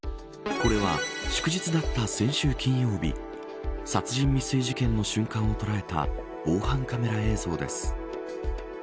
これは、祝日だった先週金曜日殺人未遂事件の瞬間を捉えた防犯カメラ映像です。